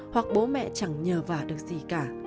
hoặc bố mẹ chẳng nhờ vả